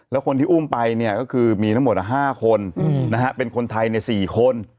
แล้วคนที่อุ้มไปเนี่ยก็คือมีทั้งหมดห้าคนนะฮะเป็นคนไทยเนี่ยสี่คน